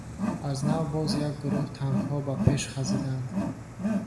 Аз нав боз як гурӯҳ танкҳо ба пеш хазиданд.